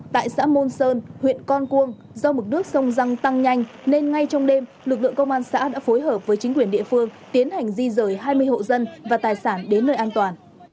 tại xã môn sơn huyện con cuông do mực nước sông răng tăng nhanh nên ngay trong đêm lực lượng công an xã đã phối hợp với chính quyền địa phương tiến hành di rời hai mươi hộ dân và tài sản đến nơi an toàn